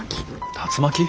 竜巻！？